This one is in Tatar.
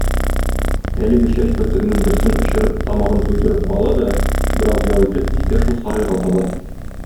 Әлеге чәч бөртегенең берсен очырып, тамагын туйдырып ала да, бераз ял итеп, китә шул сарайга таба.